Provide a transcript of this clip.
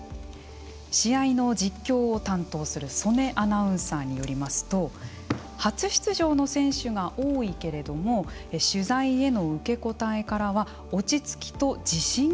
試合の実況を担当する曽根アナウンサーによりますと初出場の選手が多いけれども取材への受け答えからは落ち着きと自信が感じられると。